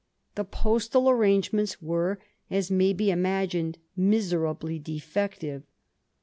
The postal arrangements were, as may be imagined, miserably defective.